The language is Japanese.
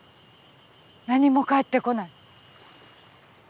何も帰ってこない。